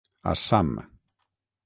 Assam.